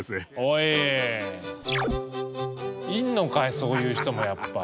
いんのかいそういう人もやっぱ。